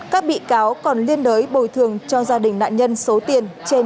các bị cáo còn liên đối bồi thường cho gia đình nạn nhân số tiền trên hai trăm linh triệu đồng